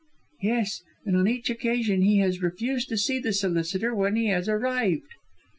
"Yes, and on each occasion he has refused to see the solicitor when he has arrived!"